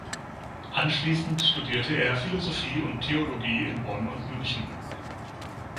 Anschließend studierte er Philosophie und Theologie in Bonn und München.